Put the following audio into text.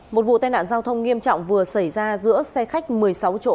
một vụ tai nạn giao thông nghiêm trọng vừa xảy ra giữa xe khách một mươi sáu chỗ